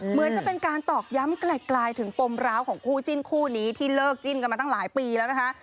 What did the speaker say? เหมือนจะเป็นการตอกย้ำไกลถึงปมร้าวของคู่จิ้นคู่นี้ที่เลิกจิ้นกันมาตั้งหลายปีแล้วนะคะ